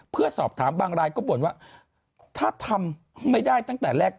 เพื่อสอบถามบางรายก็บ่นว่าถ้าทำไม่ได้ตั้งแต่แรก